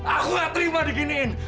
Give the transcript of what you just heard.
aku gak terima diginiin